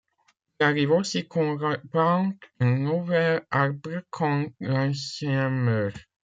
Il arrive aussi qu’on replante un nouvel arbre quand l’ancien meurt.